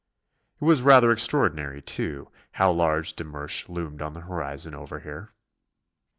It was rather extraordinary, too, how large de Mersch loomed on the horizon over here.